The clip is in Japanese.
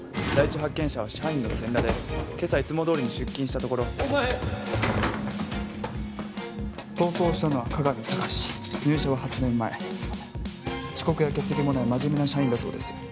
第一発見者は社員の仙田で今朝いつもどおりに出勤したところお前逃走したのは加々見崇入社は８年前遅刻や欠席もない真面目な社員だそうです